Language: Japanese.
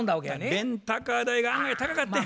レンタカー代が案外高かってん。